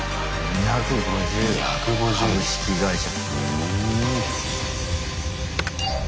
２５０。株式会社。